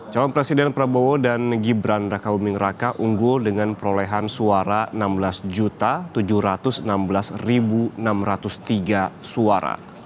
calon presiden prabowo dan gibran raka buming raka unggul dengan perolehan suara enam belas tujuh ratus enam belas enam ratus tiga suara